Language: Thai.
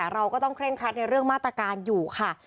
เราก็ต้องเคร่งครัดในเรื่องมาตรการอยู่ค่ะ